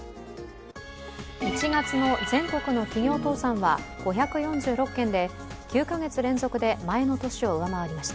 １月の全国の企業倒産は５４６件で９か月連続で前の年を上回りました。